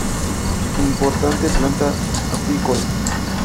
Importante planta apícola.